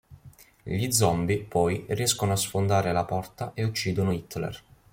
Gli zombie, poi, riescono a sfondare la porta e uccidono Hitler.